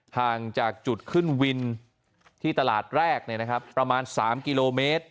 ห่างจากจุดขึ้นวินที่ตลาดแรกเนี่ยนะครับประมาณ๓กิโลเมตร